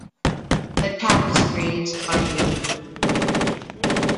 The tapestries are unique.